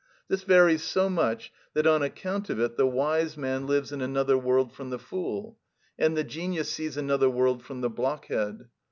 This varies so much that on account of it the wise man lives in another world from the fool, and the genius sees another world from the blockhead.